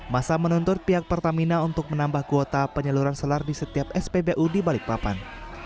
masa menuntut pihak pertamina untuk menambah kuota penyaluran solar di setiap spbu di balikpapan